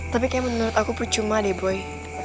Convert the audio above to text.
tapi kayak menurut aku percuma deh boy